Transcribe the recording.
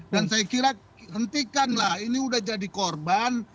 dan saya kira hentikanlah ini sudah jadi korban